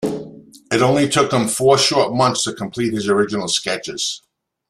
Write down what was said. It only took him four short months to complete his original sketches.